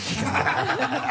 ハハハ